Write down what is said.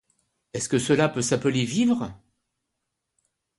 Est-ce que cela peut s’appeler vivre !